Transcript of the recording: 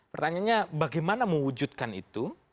pertanyaannya bagaimana mewujudkan itu